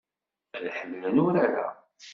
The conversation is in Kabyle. Ad ḥemmlen urar-a.